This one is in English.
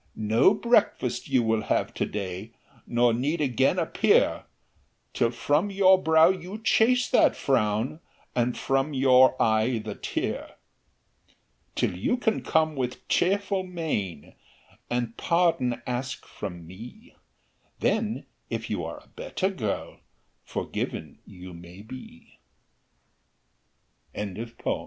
"No breakfast you will have to day, Nor need again appear, Till from your brow you chase that frown, And from your eye the tear. "Till you can come with cheerful mien, And pardon ask from me; Then, if you are a better girl, Forgiven you may be." THE CUCKOO.